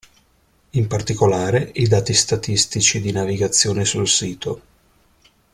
In particolare, i dati statistici di navigazione sul sito.